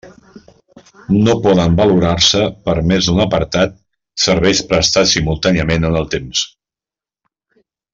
No poden valorar-se per més d'un apartat serveis prestats simultàniament en el temps.